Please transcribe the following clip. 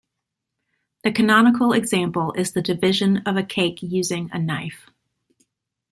The canonical example is the division of a cake using a knife.